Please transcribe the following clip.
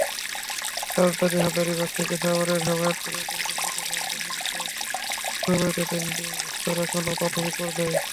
রাজধানীর হাজারীবাগ থেকে সাভারের হেমায়েতপুরের পরিকল্পিত চামড়া শিল্পনগরীতে ট্যানারি স্থানান্তর এখনো প্রাথমিক পর্যায়ে।